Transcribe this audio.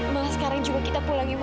malah sekarang juga kita pulangin